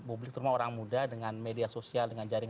publik semua orang muda dengan media